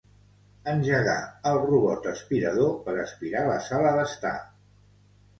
Engegar el robot aspirador per aspirar la sala d'estar.